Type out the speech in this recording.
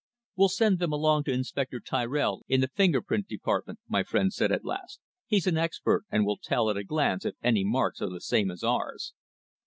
"We'll send them along to Inspector Tirrell in the Finger print Department," my friend said at last. "He's an expert, and will tell at a glance if any marks are the same as ours."